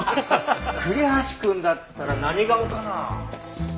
栗橋くんだったら何顔かな？